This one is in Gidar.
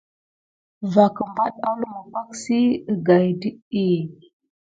Va apat ó lumu pak si agaye aka det ɗiy.